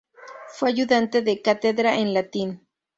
Fue ayudante de cátedra en latín.